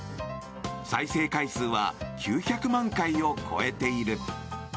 再生回数は９００万回を超えている。